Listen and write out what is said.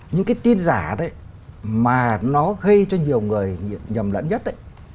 những cái tin giả đấy mà nó gây cho nhiều người nhầm lẫn nhất đấy